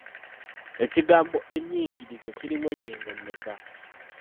Ekigambo ennyingirizo kirimu ennyingo mmeka?